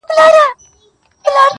يو دی چي يې ستا په نوم آغاز دی